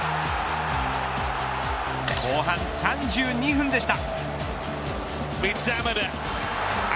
後半３２分でした。